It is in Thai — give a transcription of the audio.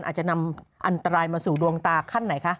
อาจจะนำอันตรายมาสู่ดวงตาขั้นไหนคะ